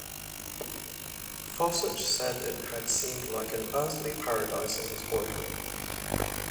Fossett said it had seemed like an "earthly paradise" in his boyhood.